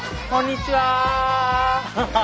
こんにちは。